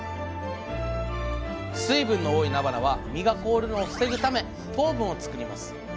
水分の多いなばなは身が凍るのを防ぐため糖分を作ります。